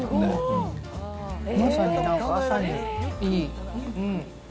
まさになんか、朝にいい。